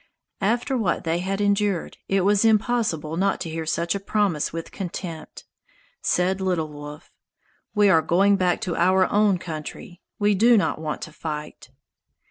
After what they had endured, it was impossible not to hear such a promise with contempt. Said Little Wolf: "We are going back to our own country. We do not want to fight."